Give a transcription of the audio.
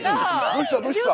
どうしたどうした？